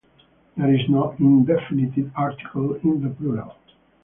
There is no indefinite article in the plural.